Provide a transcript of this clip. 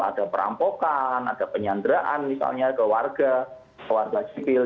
ada perampokan ada penyanderaan misalnya ke warga ke warga sipil